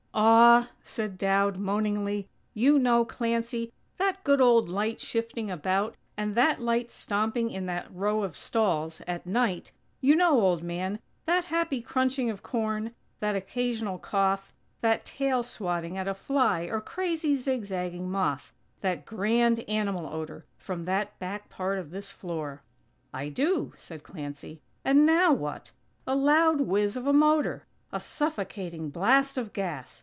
"Aw!!" said Dowd, moaningly, "you know, Clancy, that good old light shifting about and that light 'stomping' in that row of stalls, at night; you know, old man, that happy crunching of corn; that occasional cough; that tail swatting at a fly or crazy zigzagging moth; that grand animal odor from that back part of this floor." "I do," said Clancy. "And now what? A loud whizz of a motor! A suffocating blast of gas!